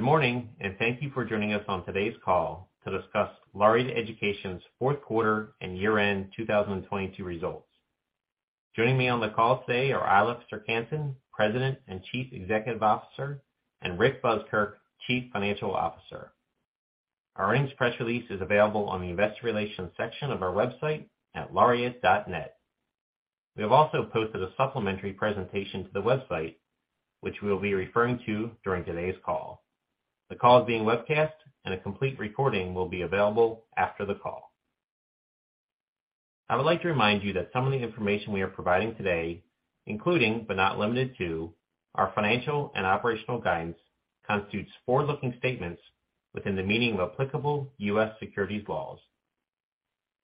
Good morning, and thank you for joining us on today's call to discuss Laureate Education's fourth quarter and year-end 2022 results. Joining me on the call today are Eilif Serck-Hanssen, President and Chief Executive Officer, and Rick Buskirk, Chief Financial Officer. Our earnings press release is available on the investor relations section of our website at laureate.net. We have also posted a supplementary presentation to the website, which we will be referring to during today's call. The call is being webcast, and a complete recording will be available after the call. I would like to remind you that some of the information we are providing today, including but not limited to our financial and operational guidance, constitutes forward-looking statements within the meaning of applicable U.S. securities laws.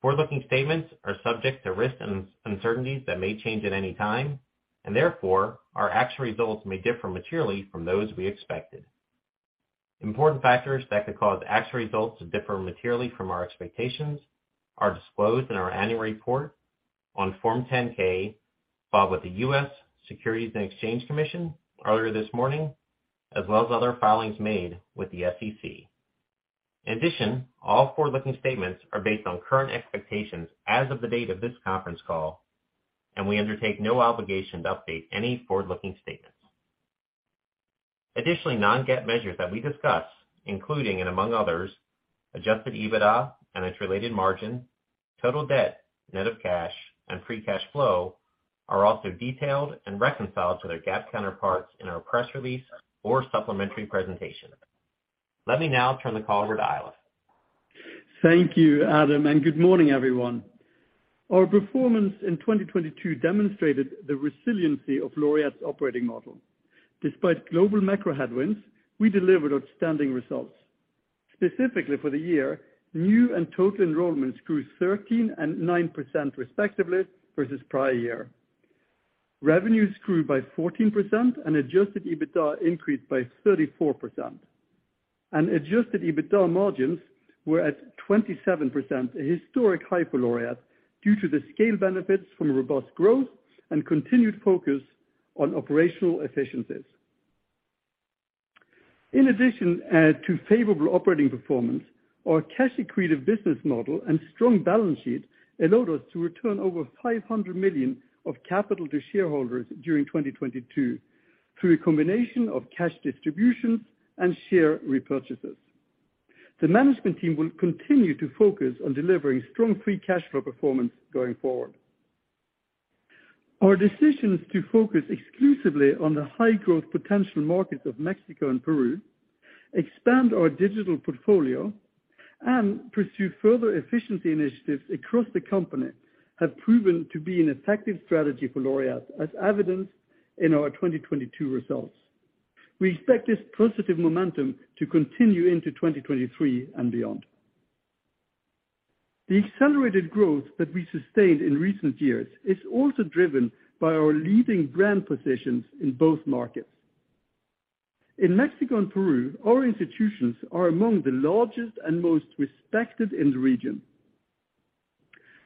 Forward-looking statements are subject to risks and uncertainties that may change at any time, and therefore, our actual results may differ materially from those we expected. Important factors that could cause actual results to differ materially from our expectations are disclosed in our annual report on Form 10-K filed with the U.S. Securities and Exchange Commission earlier this morning, as well as other filings made with the SEC. All forward-looking statements are based on current expectations as of the date of this conference call, and we undertake no obligation to update any forward-looking statements. Non-GAAP measures that we discuss, including and among others, Adjusted EBITDA and its related margin, total debt net of cash, and free cash flow are also detailed and reconciled to their GAAP counterparts in our press release or supplementary presentation. Let me now turn the call over to Eilif. Thank you, Adam, good morning, everyone. Our performance in 2022 demonstrated the resiliency of Laureate's operating model. Despite global macro headwinds, we delivered outstanding results. Specifically for the year, new and total enrollments grew 13% and 9% respectively versus prior year. Revenues grew by 14% and Adjusted EBITDA increased by 34%. Adjusted EBITDA margins were at 27%, a historic high for Laureate, due to the scale benefits from robust growth and continued focus on operational efficiencies. In addition, to favorable operating performance, our cash-accretive business model and strong balance sheet allowed us to return over $500 million of capital to shareholders during 2022 through a combination of cash distributions and share repurchases. The management team will continue to focus on delivering strong free cash flow performance going forward. Our decisions to focus exclusively on the high growth potential markets of Mexico and Peru, expand our digital portfolio, and pursue further efficiency initiatives across the company have proven to be an effective strategy for Laureate, as evidenced in our 2022 results. We expect this positive momentum to continue into 2023 and beyond. The accelerated growth that we sustained in recent years is also driven by our leading brand positions in both markets. In Mexico and Peru, our institutions are among the largest and most respected in the region.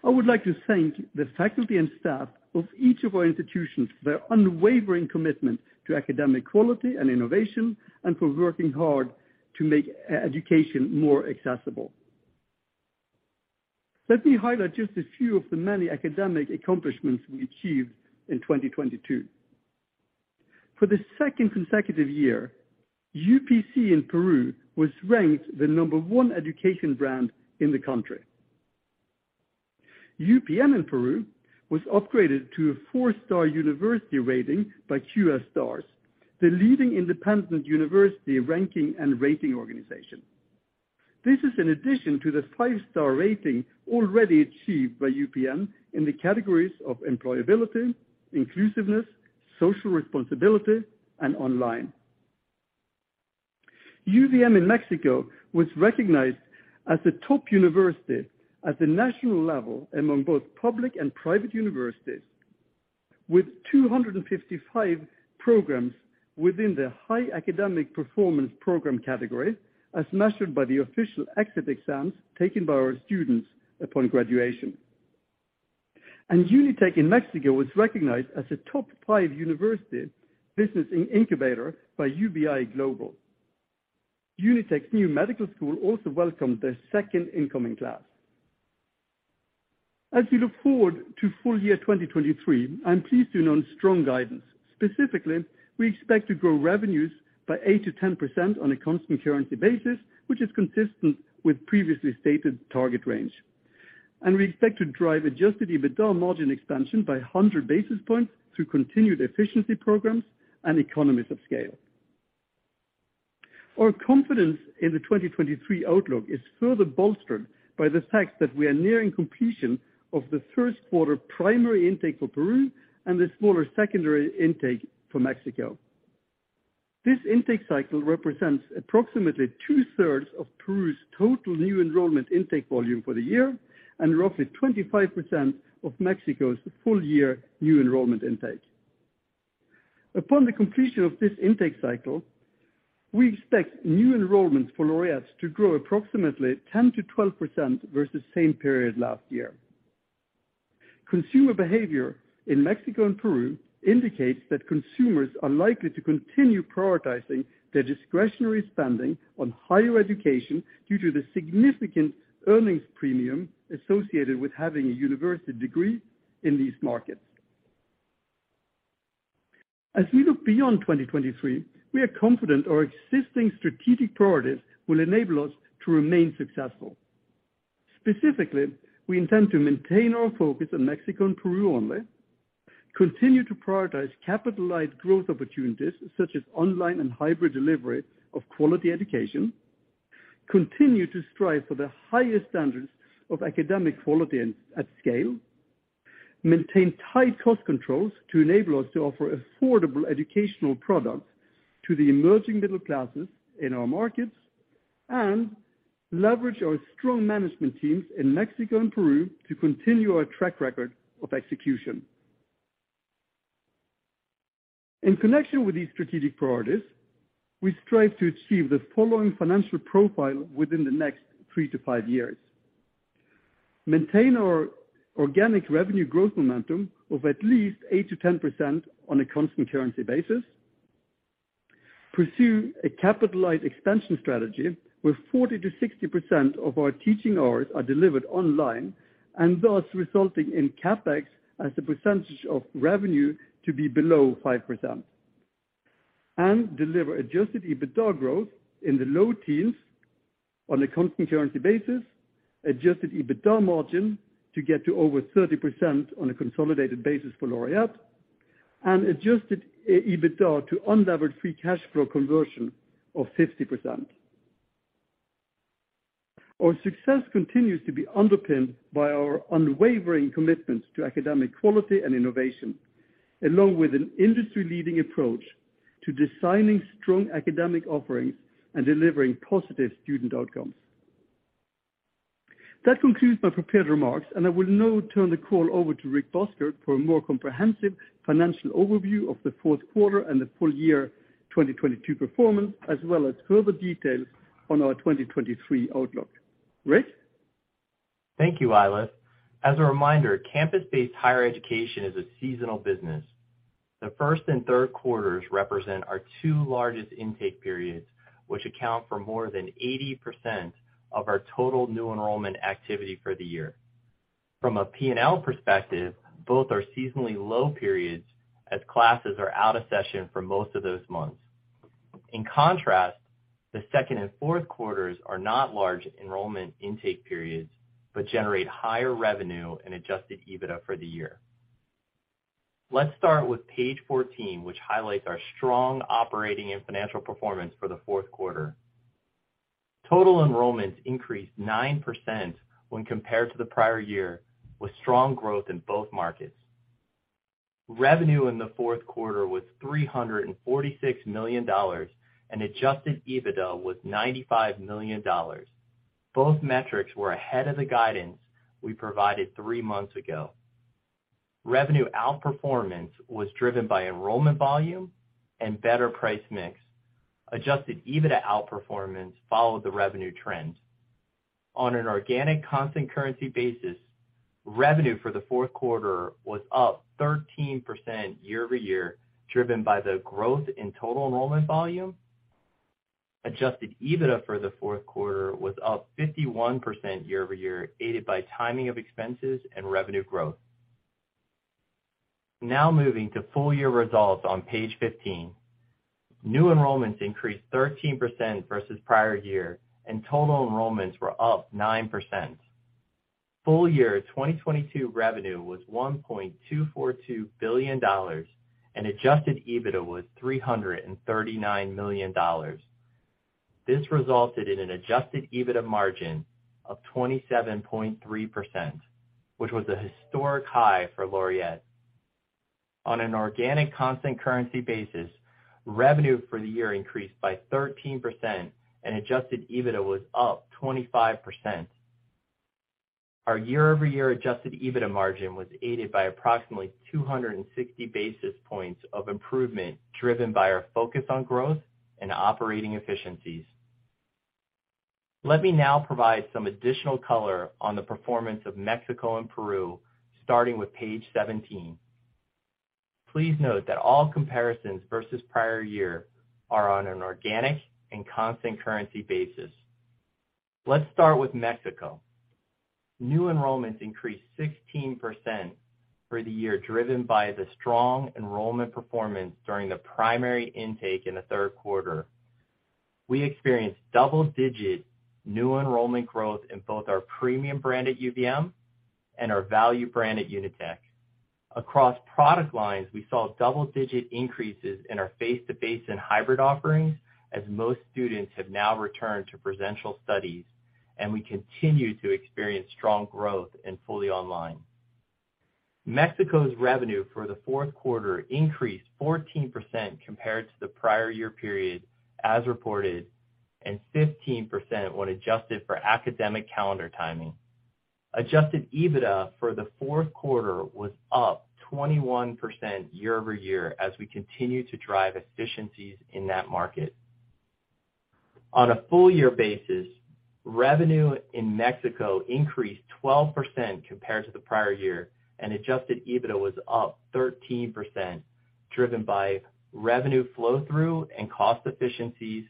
I would like to thank the faculty and staff of each of our institutions for their unwavering commitment to academic quality and innovation, and for working hard to make e-education more accessible. Let me highlight just a few of the many academic accomplishments we achieved in 2022. For the second consecutive year, UPC in Peru was ranked the number one education brand in the country. UPC in Peru was upgraded to a four-star university rating by QS Stars, the leading independent university ranking and rating organization. This is in addition to the five-star rating already achieved by UPC in the categories of employability, inclusiveness, social responsibility, and online. UVM in Mexico was recognized as a top university at the national level among both public and private universities, with 255 programs within the high academic performance program category, as measured by the official exit exams taken by our students upon graduation. UNITEC in Mexico was recognized as a top five university business incubator by UBI Global. UNITEC's new medical school also welcomed their second incoming class. As we look forward to full year 2023, I'm pleased to announce strong guidance. Specifically, we expect to grow revenues by 8%-10% on a constant currency basis, which is consistent with previously stated target range. We expect to drive Adjusted EBITDA margin expansion by 100 basis points through continued efficiency programs and economies of scale. Our confidence in the 2023 outlook is further bolstered by the fact that we are nearing completion of the first quarter primary intake for Peru and the smaller secondary intake for Mexico. This intake cycle represents approximately 2/3 of Peru's total new enrollment intake volume for the year and roughly 25% of Mexico's full year new enrollment intake. Upon the completion of this intake cycle, we expect new enrollments for Laureate to grow approximately 10%-12% versus same period last year. Consumer behavior in Mexico and Peru indicates that consumers are likely to continue prioritizing their discretionary spending on higher education due to the significant earnings premium associated with having a university degree in these markets. As we look beyond 2023, we are confident our existing strategic priorities will enable us to remain successful. Specifically, we intend to maintain our focus on Mexico and Peru only, continue to prioritize capitalized growth opportunities such as online and hybrid delivery of quality education, continue to strive for the highest standards of academic quality and at scale, maintain tight cost controls to enable us to offer affordable educational products to the emerging middle classes in our markets, leverage our strong management teams in Mexico and Peru to continue our track record of execution. In connection with these strategic priorities, we strive to achieve the following financial profile within the next three to five years. Maintain our organic revenue growth momentum of at least 8%-10% on a constant currency basis. Pursue a capitalized expansion strategy where 40%-60% of our teaching hours are delivered online and thus resulting in CapEx as a percentage of revenue to be below 5%. Deliver Adjusted EBITDA growth in the low teens on a constant currency basis, Adjusted EBITDA margin to get to over 30% on a consolidated basis for Laureate, and Adjusted EBITDA to unlevered free cash flow conversion of 50%. Our success continues to be underpinned by our unwavering commitments to academic quality and innovation, along with an industry-leading approach to designing strong academic offerings and delivering positive student outcomes. That concludes my prepared remarks, and I will now turn the call over to Rick Buskirk for a more comprehensive financial overview of the fourth quarter and the full year 2022 performance, as well as further details on our 2023 outlook. Rick. Thank you, Eilif. As a reminder, campus-based higher education is a seasonal business. The first and third quarters represent our two largest intake periods, which account for more than 80% of our total new enrollment activity for the year. From a P&L perspective, both are seasonally low periods as classes are out of session for most of those months. In contrast, the second and fourth quarters are not large enrollment intake periods, but generate higher revenue and Adjusted EBITDA for the year. Let's start with page 14, which highlights our strong operating and financial performance for the fourth quarter. Total enrollments increased 9% when compared to the prior year, with strong growth in both markets. Revenue in the fourth quarter was $346 million, and Adjusted EBITDA was $95 million. Both metrics were ahead of the guidance we provided three months ago. Revenue outperformance was driven by enrollment volume and better price mix. Adjusted EBITDA outperformance followed the revenue trends. On an organic constant currency basis, revenue for the fourth quarter was up 13% year-over-year, driven by the growth in total enrollment volume. Adjusted EBITDA for the fourth quarter was up 51% year-over-year, aided by timing of expenses and revenue growth. Moving to full year results on page 15. New enrollments increased 13% versus prior year, and total enrollments were up 9%. Full year 2022 revenue was $1.242 billion, and Adjusted EBITDA was $339 million. This resulted in an Adjusted EBITDA margin of 27.3%, which was a historic high for Laureate. On an organic constant currency basis, revenue for the year increased by 13%, Adjusted EBITDA was up 25%. Our year-over-year Adjusted EBITDA margin was aided by approximately 260 basis points of improvement driven by our focus on growth and operating efficiencies. Let me now provide some additional color on the performance of Mexico and Peru, starting with page 17. Please note that all comparisons versus prior year are on an organic and constant currency basis. Let's start with Mexico. New enrollments increased 16% for the year, driven by the strong enrollment performance during the primary intake in the third quarter. We experienced double-digit new enrollment growth in both our premium brand at UVM and our value brand at UNITEC. Across product lines, we saw double-digit increases in our face-to-face and hybrid offerings as most students have now returned to presential studies, and we continue to experience strong growth in fully online. Mexico's revenue for the fourth quarter increased 14% compared to the prior year period as reported, and 15% when adjusted for academic calendar timing. Adjusted EBITDA for the fourth quarter was up 21% year-over-year as we continue to drive efficiencies in that market. On a full year basis, revenue in Mexico increased 12% compared to the prior year, and Adjusted EBITDA was up 13%, driven by revenue flow through and cost efficiencies,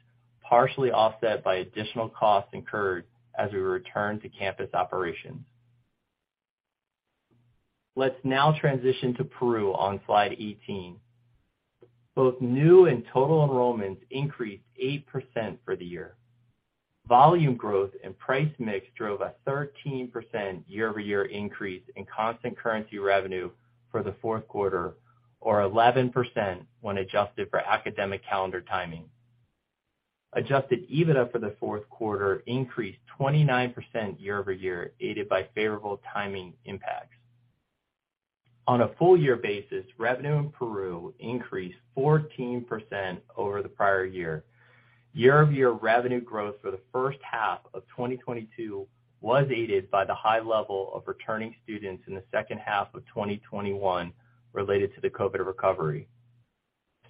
partially offset by additional costs incurred as we return to campus operations. Let's now transition to Peru on slide 18. Both new and total enrollments increased 8% for the year. Volume growth and price mix drove a 13% year-over-year increase in constant currency revenue for the fourth quarter, or 11% when adjusted for academic calendar timing. Adjusted EBITDA for the fourth quarter increased 29% year-over-year, aided by favorable timing impacts. On a full year basis, revenue in Peru increased 14% over the prior year. Year-over-year revenue growth for the first half of 2022 was aided by the high level of returning students in the second half of 2021 related to the COVID recovery.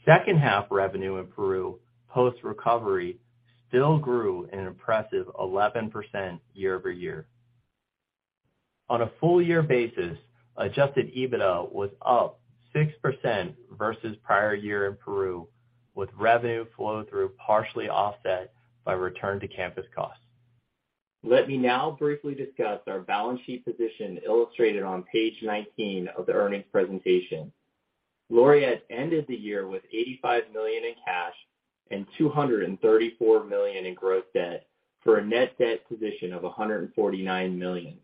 Second half revenue in Peru post-recovery still grew an impressive 11% year-over-year. On a full year basis, Adjusted EBITDA was up 6% versus prior year in Peru, with revenue flow through partially offset by return to campus costs. Let me now briefly discuss our balance sheet position illustrated on page 19 of the earnings presentation. Laureate ended the year with $85 million in cash and $234 million in gross debt for a net debt position of $149 million.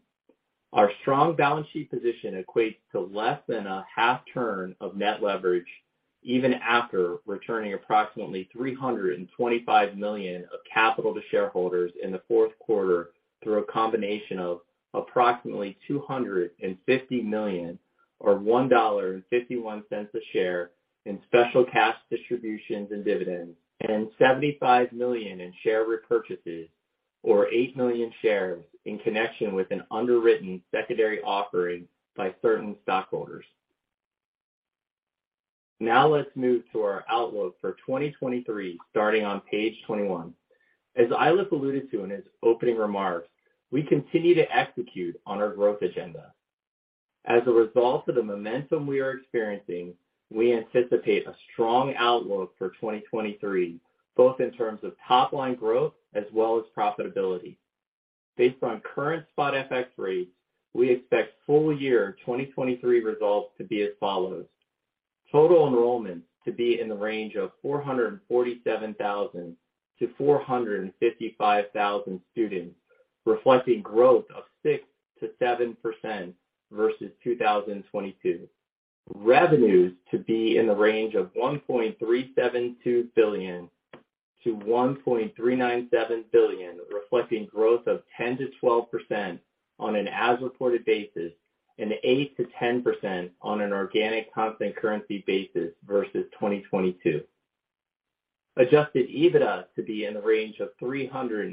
Our strong balance sheet position equates to less than a half turn of net leverage even after returning approximately $325 million of capital to shareholders in the fourth quarter through a combination of approximately $250 million or $1.51 a share in special cash distributions and dividends, and $75 million in share repurchases or 8 million shares in connection with an underwritten secondary offering by certain stockholders. Let's move to our outlook for 2023, starting on page 21. As Eilif alluded to in his opening remarks, we continue to execute on our growth agenda. As a result of the momentum we are experiencing, we anticipate a strong outlook for 2023, both in terms of top line growth as well as profitability. Based on current spot FX rates, we expect full year 2023 results to be as follows: Total enrollments to be in the range of 447,000-455,000 students, reflecting growth of 6%-7% versus 2022. Revenues to be in the range of $1.372 billion to $1.397 billion, reflecting growth of 10%-12% on an as-reported basis, and 8%-10% on an organic constant currency basis versus 2022. Adjusted EBITDA to be in the range of $387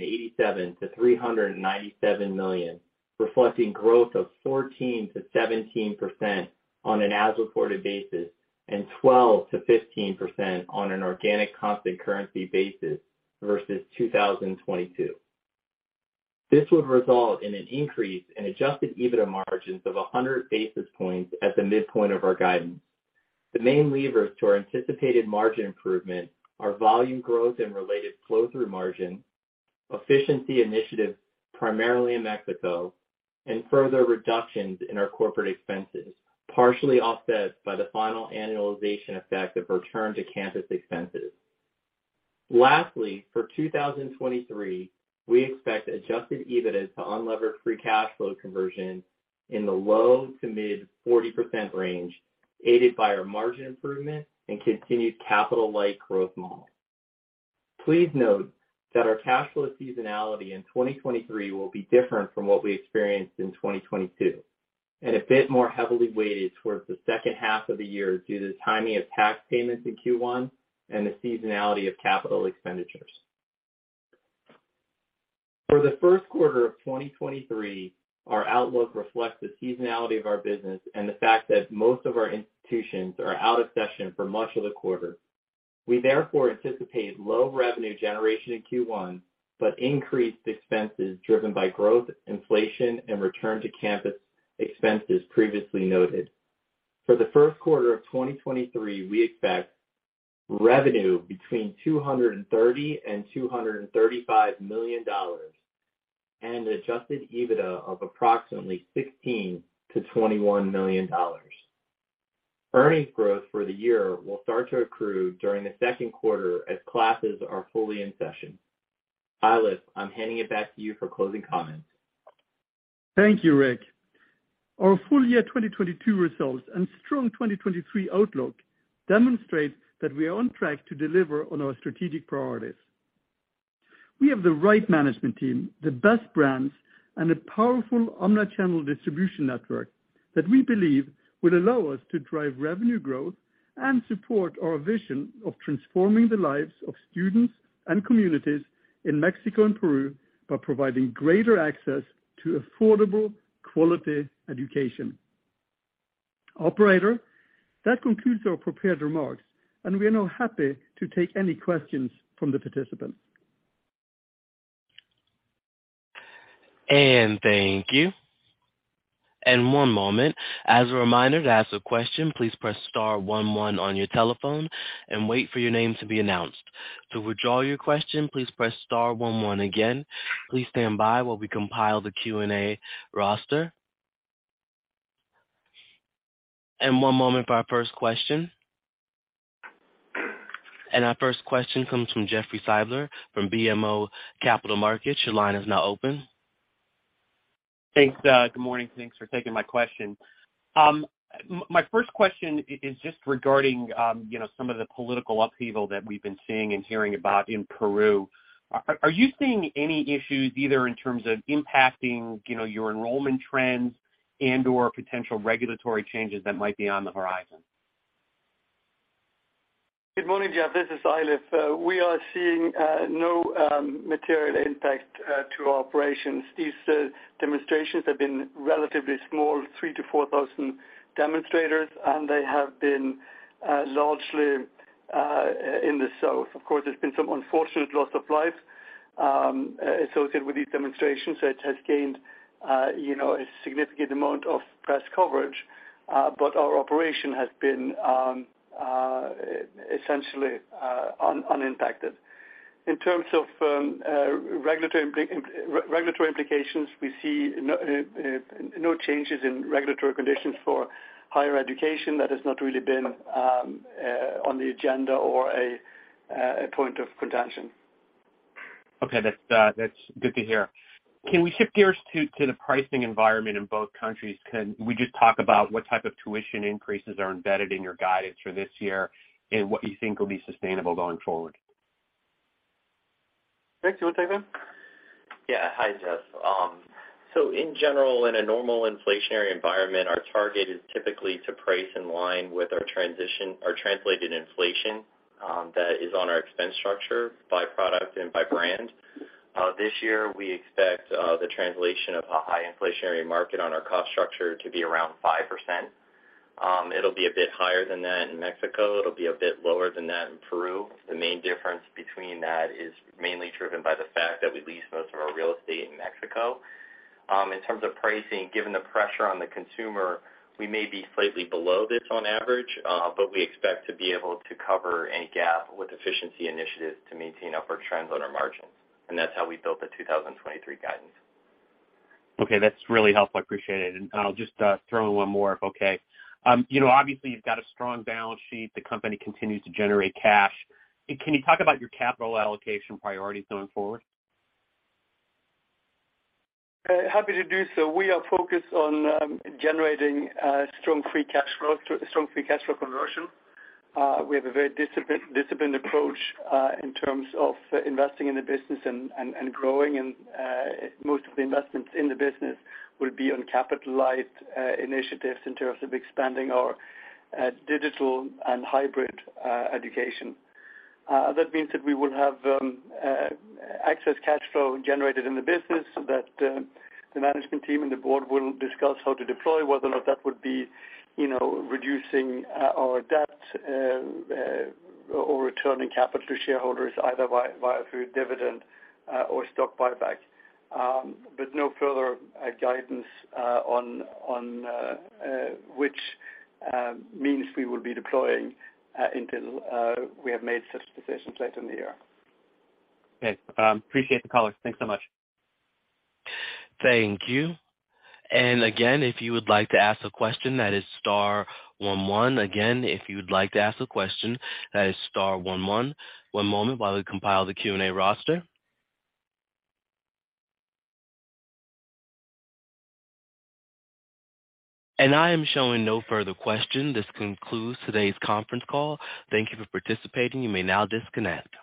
million-$397 million, reflecting growth of 14%-17% on an as-reported basis, and 12%-15% on an organic constant currency basis versus 2022. This would result in an increase in Adjusted EBITDA margins of 100 basis points at the midpoint of our guidance. The main levers to our anticipated margin improvement are volume growth and related flow through margin, efficiency initiatives primarily in Mexico, and further reductions in our corporate expenses, partially offset by the final annualization effect of return to campus expenses. For 2023, we expect Adjusted EBITDA to unlevered free cash flow conversion in the low to mid 40% range, aided by our margin improvement and continued capital-light growth model. Please note that our cash flow seasonality in 2023 will be different from what we experienced in 2022, and a bit more heavily weighted towards the second half of the year due to the timing of tax payments in Q1 and the seasonality of capital expenditures. For the first quarter of 2023, our outlook reflects the seasonality of our business and the fact that most of our institutions are out of session for much of the quarter. We therefore anticipate low revenue generation in Q1, but increased expenses driven by growth, inflation, and return to campus expenses previously noted. For the first quarter of 2023, we expect revenue between $230 million and $235 million and Adjusted EBITDA of approximately $16 million-$21 million. Earnings growth for the year will start to accrue during the second quarter as classes are fully in session. Eilif, I'm handing it back to you for closing comments. Thank you, Rick. Our full year 2022 results and strong 2023 outlook demonstrate that we are on track to deliver on our strategic priorities. We have the right management team, the best brands, and a powerful omnichannel distribution network that we believe will allow us to drive revenue growth and support our vision of transforming the lives of students and communities in Mexico and Peru by providing greater access to affordable, quality education. Operator, that concludes our prepared remarks, and we are now happy to take any questions from the participants. Thank you. One moment. As a reminder, to ask a question, please press star on one on your telephone and wait for your name to be announced. To withdraw your question, please press star one one again. Please stand by while we compile the Q&A roster. One moment for our first question. Our first question comes from Jeffrey Silber from BMO Capital Markets. Your line is now open. Thanks. Good morning. Thanks for taking my question. My first question is just regarding, you know, some of the political upheaval that we've been seeing and hearing about in Peru. Are you seeing any issues either in terms of impacting, you know, your enrollment trends and/or potential regulatory changes that might be on the horizon? Good morning, Jeff. This is Eilif. We are seeing no material impact to our operations. These demonstrations have been relatively small, 3,000-4,000 demonstrators, and they have been largely in the south. Of course, there's been some unfortunate loss of life associated with these demonstrations. It has gained, you know, a significant amount of press coverage, but our operation has been essentially unimpacted. In terms of regulatory implications, we see no changes in regulatory conditions for higher education. That has not really been on the agenda or a point of contention. Okay. That's, that's good to hear. Can we shift gears to the pricing environment in both countries? Can we just talk about what type of tuition increases are embedded in your guidance for this year and what you think will be sustainable going forward? Rick, do you want to take that? Hi, Jeff. In general, in a normal inflationary environment, our target is typically to price in line with our transition or translated inflation, that is on our expense structure by product and by brand. This year, we expect the translation of a high inflationary market on our cost structure to be around 5%. It'll be a bit higher than that in Mexico. It'll be a bit lower than that in Peru. The main difference between that is mainly driven by the fact that we lease most of our real estate in Mexico. In terms of pricing, given the pressure on the consumer, we may be slightly below this on average, we expect to be able to cover any gap with efficiency initiatives to maintain upward trends on our margins. That's how we built the 2023 guidance. Okay. That's really helpful. I appreciate it. I'll just throw in one more, if okay. You know, obviously, you've got a strong balance sheet. The company continues to generate cash. Can you talk about your capital allocation priorities going forward? Happy to do so. We are focused on generating strong free cash flow, strong free cash flow conversion. We have a very disciplined approach in terms of investing in the business and growing. Most of the investments in the business will be on capitalized initiatives in terms of expanding our digital and hybrid education. That means that we will have excess cash flow generated in the business that the management team and the board will discuss how to deploy, whether or not that would be, you know, reducing our debt or returning capital to shareholders either through dividend or stock buyback. No further guidance on which means we will be deploying until we have made such decisions later in the year. Okay. Appreciate the color. Thanks so much. Thank you. Again, if you would like to ask a question, that is star one one. Again, if you'd like to ask a question, that is star one one. One moment while we compile the Q&A roster. I am showing no further question. This concludes today's conference call. Thank you for participating. You may now disconnect.